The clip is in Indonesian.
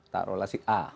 taruhlah si a